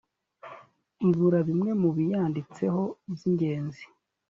ibura bimwe mu biyanditseho by ingenzi